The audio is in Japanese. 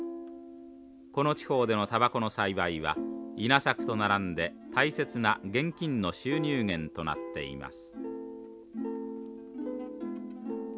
この地方でのたばこの栽培は稲作と並んで大切な現金の収入源となっています。